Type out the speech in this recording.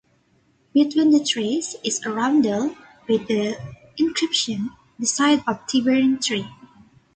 Between the trees is a roundel with the inscription "The site of Tyburn Tree".